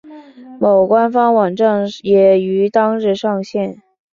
其官方网站也于当日上线。